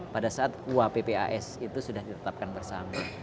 pada saat uappas itu sudah ditetapkan bersama